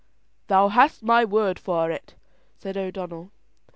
"Thou hast my word for it," said O'Donnell.